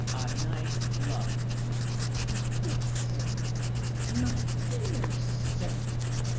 "A nice lover." "My dear sir, my dear sir!